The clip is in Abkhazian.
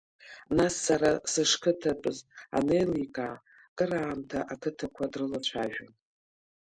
Нас, сара сышқыҭатәыз анеиликаа, кыраамҭа ақыҭақәа дрылацәажәон.